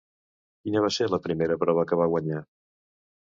Quina va ser la primera prova que va guanyar?